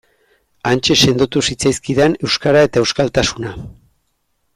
Hantxe sendotu zitzaizkidan euskara eta euskaltasuna.